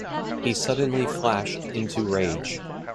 He suddenly flashed into rage.